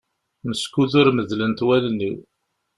Meskud ur medlent wallen-iw.